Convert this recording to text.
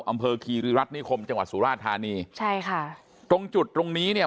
อำเภอคีริรัฐนิคมจังหวัดสุราธานีใช่ค่ะตรงจุดตรงนี้เนี่ย